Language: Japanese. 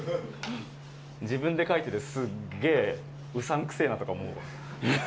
自分で書いてて、すっげー、うさんくせぇなと思う。